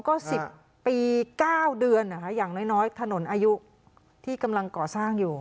ก็๑๐ปี๙เดือนนะคะอย่างน้อยถนนอายุที่กำลังก่อสร้างอยู่